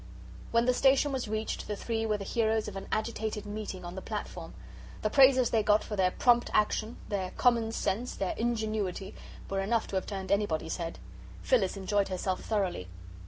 When the station was reached, the three were the heroes of an agitated meeting on the platform. The praises they got for their "prompt action," their "common sense," their "ingenuity," were enough to have turned anybody's head. Phyllis enjoyed herself thoroughly.